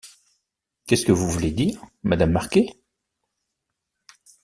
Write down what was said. Qu’est-ce que vous voulez dire, Madame Marquet...